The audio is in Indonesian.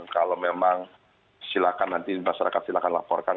kalau memang silakan nanti masyarakat silakan laporkan